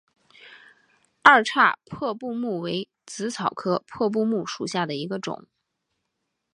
二叉破布木为紫草科破布木属下的一个种。